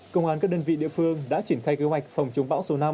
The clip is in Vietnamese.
công an các đơn vị địa phương đã triển khai kế hoạch phòng chống bão số năm